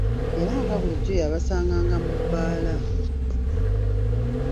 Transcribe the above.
Era nga bulijjo yabasanganga mu bbaala.